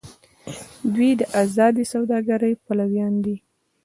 دوی د ازادې سوداګرۍ پلویان دي.